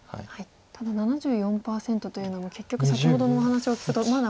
ただ７４％というのも結局先ほどのお話を聞くとまだまだ細かいという。